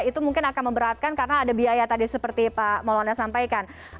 itu mungkin akan memberatkan karena ada biaya tadi seperti pak maulana sampaikan